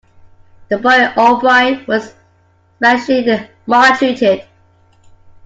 The boy, O'Brien, was specially maltreated.